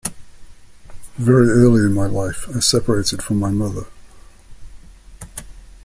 Very early in my life, I separated from my mother.